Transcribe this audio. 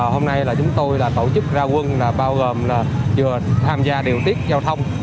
hôm nay chúng tôi tổ chức ra quân bao gồm tham gia điều tiết giao thông